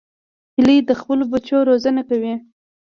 هیلۍ د خپلو بچو روزنه کوي